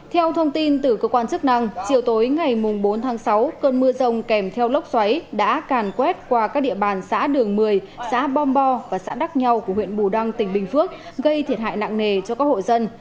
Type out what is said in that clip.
theo thông tin từ cơ quan chức năng chiều tối ngày bốn tháng sáu cơn mưa rông kèm theo lốc xoáy đã càn quét qua các địa bàn xã đường một mươi xã bom bo và xã đắc nhau của huyện bù đăng tỉnh bình phước gây thiệt hại nặng nề cho các hộ dân